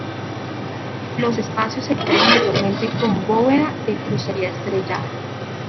Los espacios se cubren mayormente con bóveda de crucería estrellada.